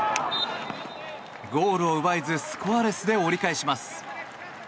ゴールを奪えずスコアレスで折り返します。